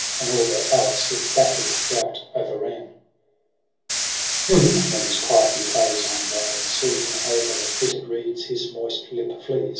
And all their alps with bacchic rout o'erran : ijS EROS £2? PSYCHE IT Whom, when his pipe he plays on loud and sweet. And o'er the fitted reeds his moist lip flees.